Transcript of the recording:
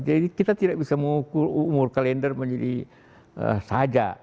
jadi kita tidak bisa mengukur umur kalender menjadi saja